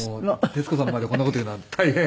徹子さんの前でこんな事言うのは大変。